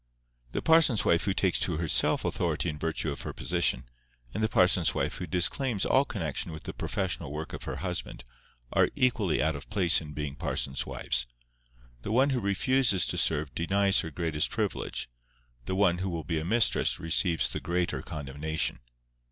The parson's wife who takes to herself authority in virtue of her position, and the parson's wife who disclaims all connexion with the professional work of her husband, are equally out of place in being parsons' wives. The one who refuses to serve denies her greatest privilege; the one who will be a mistress receives the greater condemnation.